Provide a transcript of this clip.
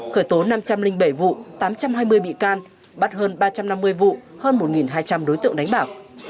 khởi tố năm trăm linh bảy vụ tám trăm hai mươi bị can bắt hơn ba trăm năm mươi vụ hơn một hai trăm linh đối tượng đánh bảo